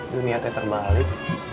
dunia ini terbalik